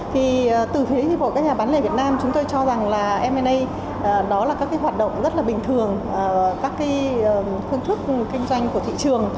thì từ thế của các nhà bán lẻ việt nam chúng tôi cho rằng là mna đó là các cái hoạt động rất là bình thường các cái phương thức kinh doanh của thị trường